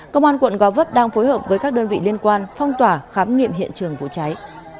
công an quận gò vấp đang phối hợp với các đơn vị liên quan phong tỏa khám nghiệm hiện trường vụ cháy